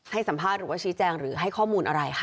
สัมภาษณ์หรือว่าชี้แจงหรือให้ข้อมูลอะไรคะ